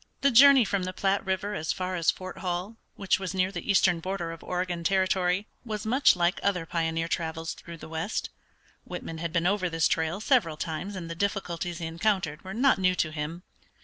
The journey from the Platte River as far as Fort Hall, which was near the eastern border of Oregon Territory, was much like other pioneer travels through the west. Whitman had been over this trail several times and the difficulties he encountered were not new to him.